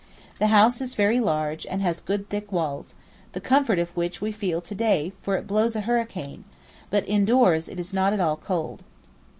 The house is very large and has good thick walls, the comfort of which we feel to day for it blows a hurricane; but indoors it is not at all cold.